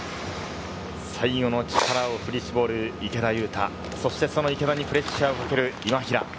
最後の力を振り絞る池田勇太、その池田にプレッシャーをかける今平。